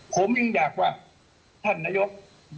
ผมยังอยากว่าท่านนายก